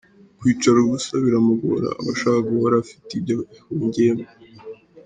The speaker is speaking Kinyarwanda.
Kwicara ubusa biramugora abashaka guhora afite ibyo ahugiyemo.